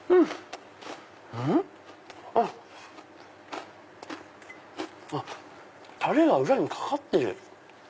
うん？あっタレが裏にかかってる。